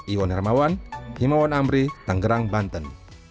iwan hermawan himawan amri tanggerang banten